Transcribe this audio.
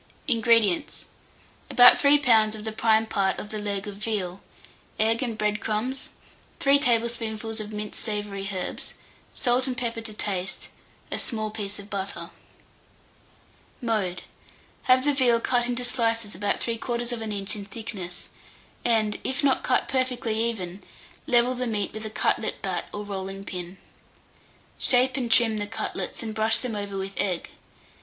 INGREDIENTS. About 3 lbs. of the prime part of the leg of veal, egg and bread crumbs, 3 tablespoonfuls of minced savoury herbs, salt and popper to taste, a small piece of butter. [Illustration: VEAL CUTLETS.] Mode. Have the veal cut into slices about 3/4 of an inch in thickness, and, if not cut perfectly even, level the meat with a cutlet bat or rolling pin. Shape and trim the cutlets, and brush them over with egg.